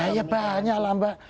ya banyak mbak